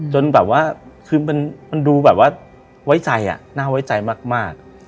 จนแบบว่าคือมันดูแบบว่าไว้ใจน่าไว้ใจมาก